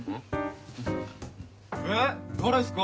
えっ誰っすか？